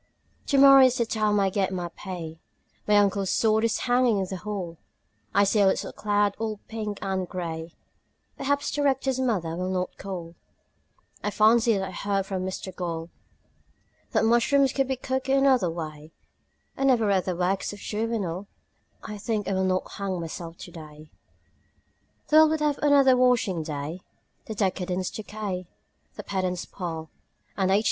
Tomorrow is the time I get my pay My uncle's sword is hanging in the hall I see a little cloud all pink and grey Perhaps the Rector's mother will not call I fancy that I heard from Mr Gall That mushrooms could be cooked another way I never read the works of Juvenal I think I will not hang myself today. The world will have another washing day; The decadents decay; the pedants pall; And H.